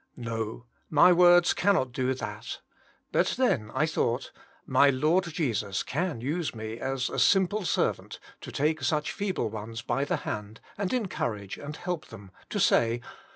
" No ; my words can not do that. But tjien I thought, my Lord Jesus can use me as a simple servant to take such feeble ones by the hand and encourage and help them; to say.